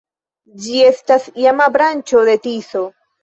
Ĝi estas iama branĉo de Tiso.